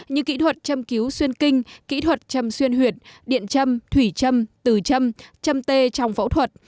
như kỹ thuật châm cứu xuyên kinh kỹ thuật châm xuyên huyệt điện châm thủy châm tử châm châm tê trong phẫu thuật